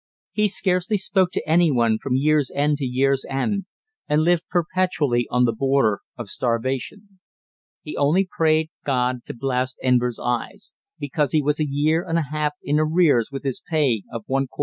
He scarcely spoke to any one from year's end to year's end, and lived perpetually on the border of starvation. He only prayed God to blast Enver's eyes, because he was a year and a half in arrears with his pay of 1/4d.